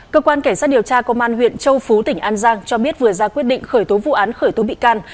cơ quan cảnh sát điều tra công an huyện châu phú tỉnh an giang cho biết vừa ra quyết định khởi tố vụ án khởi tố bị can